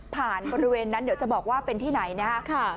บริเวณนั้นเดี๋ยวจะบอกว่าเป็นที่ไหนนะครับ